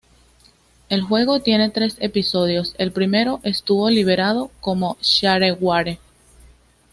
El juego tiene tres episodios, el primero estuvo liberado como shareware.